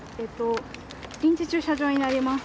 臨時駐車場になります。